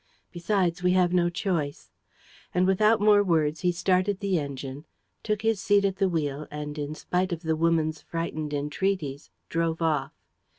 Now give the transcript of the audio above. Besides, we have no choice." And, without more words, he started the engine, took his seat at the wheel and, in spite of the woman's frightened entreaties, drove off.